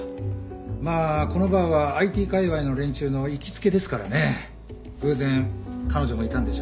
まあこのバーはＩＴ界隈の連中の行きつけですからね偶然彼女もいたんでしょうね。